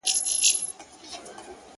گل وي ياران وي او سايه د غرمې,